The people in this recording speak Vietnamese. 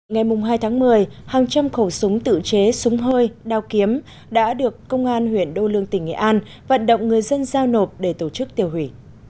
ngày hai tháng một mươi hàng trăm khẩu súng tự chế súng hơi đao kiếm đã được công an huyện đô lương tỉnh nghệ an vận động người dân giao nộp để tổ chức tiêu hủy